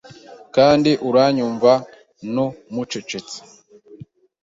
Kandi uranyumva no mucecetse